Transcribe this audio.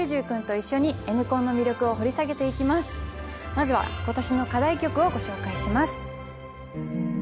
まずはことしの課題曲をご紹介します。